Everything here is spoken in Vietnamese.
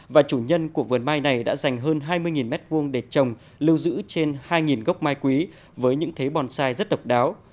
và chủ nhân của vườn mai này đã dành hơn hai mươi m hai để trồng lưu giữ trên hai gốc mai quý với những thế bonsai rất độc đáo